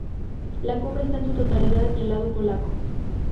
La cumbre está en su totalidad en el lado polaco.